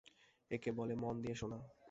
একে বলে মন দিয়ে শোনা।